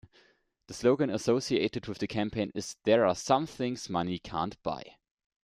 The slogan associated with the campaign is There are some things money can't buy.